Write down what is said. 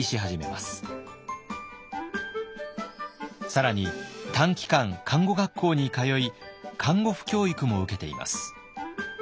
更に短期間看護学校に通い看護婦教育も受けています。